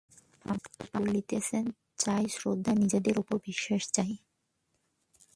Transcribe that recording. স্বামীজী বলিতেছেন চাই শ্রদ্ধা, নিজেদের ওপর বিশ্বাস চাই।